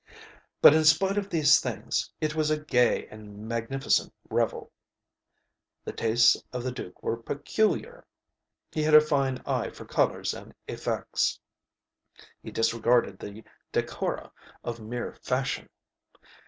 But, in spite of these things, it was a gay and magnificent revel. The tastes of the duke were peculiar. He had a fine eye for colors and effects. He disregarded the decora of mere fashion.